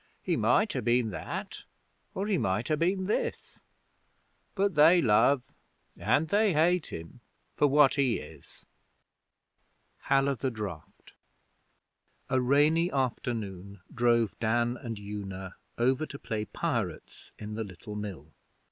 He might ha' been that, or he might ha' been this, But they love and they hate him for what he is. A rainy afternoon drove Dan and Una over to play pirates in the Little Mill.